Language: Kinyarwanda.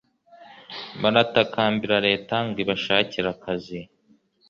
baratakambira leta ngo ibashakire akazi